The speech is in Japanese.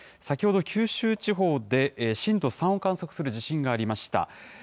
先ほど九州地方で震度３を観測する地震がありました。